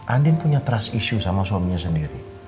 andin punya trust issue sama suaminya sendiri